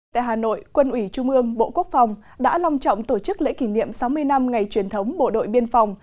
tại hà nội quân ủy trung ương bộ quốc phòng đã long trọng tổ chức lễ kỷ niệm sáu mươi năm ngày truyền thống bộ đội biên phòng